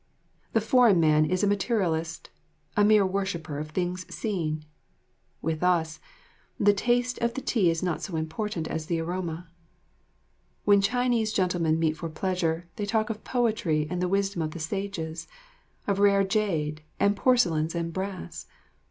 The foreign man is a materialist, a mere worshipper of things seen. With us "the taste of the tea is not so important as the aroma." When Chinese gentlemen meet for pleasure, they talk of poetry and the wisdom of the sages, of rare jade and porcelains and brass.